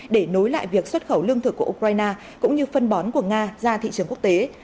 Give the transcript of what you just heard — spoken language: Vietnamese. để nối lại việc xuất khẩu lương thực của ukraine cũng như phân bón của nga ra thị trường quốc tế